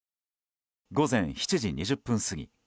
午前７時２０分過ぎ